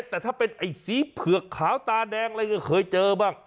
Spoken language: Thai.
แต่ถ้าเป็นไอ้สีเผือกขาวตาแดงอะไรก็เคยเจอบ้าง